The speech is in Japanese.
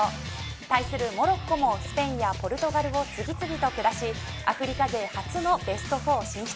対するモロッコもスペインやポルトガルを次々と下しアフリカ勢初のベスト４進出。